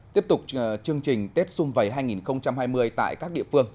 tiếp tục chương trình tết xung vầy hai nghìn hai mươi tại các địa phương